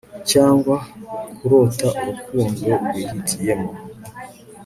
cyangwa kurota urukundo rwihitiyemo